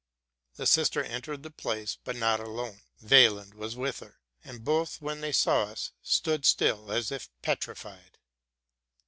The sister entered the place, but not alone, — Weyland was with her; and both, when they saw us, stood still, as if petrified.